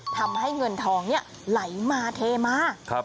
ทำให้เงินทองเนี่ยไหลมาเทมา